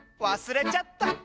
わすれちゃった！